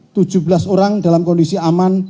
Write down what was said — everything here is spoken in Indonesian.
tujuh belas orang dalam kondisi aman